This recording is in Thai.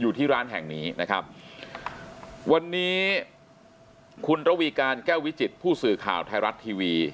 อยู่ที่ร้านแห่งนี้นะครับวันนี้คุณระวีการแก้ววิจิตผู้สื่อข่าวไทยรัฐทีวี